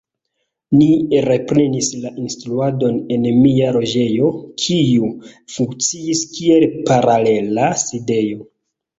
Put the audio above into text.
Ni reprenis la instruadon en mia loĝejo, kiu funkciis kiel paralela sidejo.